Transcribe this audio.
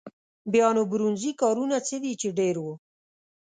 بیا نو برونزي کارونه څه دي چې ډېر وو.